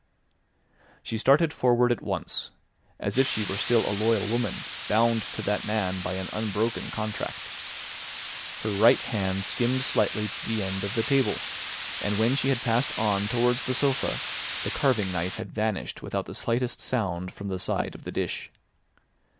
She started forward at once, as if she were still a loyal woman bound to that man by an unbroken contract. Her right hand skimmed slightly the end of the table, and when she had passed on towards the sofa the carving knife had vanished without the slightest sound from the side of the dish.